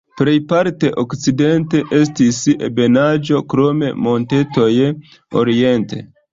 Plejparte okcidente estis ebenaĵo, krome montetoj oriente.